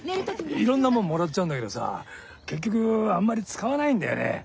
いろんなもんもらっちゃうんだけどさ結局あんまり使わないんだよね。